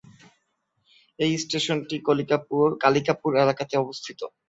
এই স্টেশনটি কালিকাপুর এলাকাতে অবস্থিত।